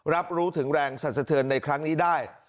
รับรู้ถึงแรงสันสะเทือนในครั้งนี้ได้